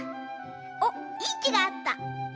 おっいいきがあった。